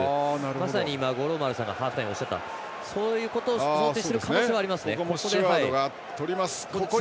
まさに今、五郎丸さんがハーフタイムにおっしゃったそういうことを想定している可能性はありますね。